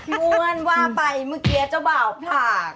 มวลว่าไปเมื่อกี้เจ้าบ่าวผลาก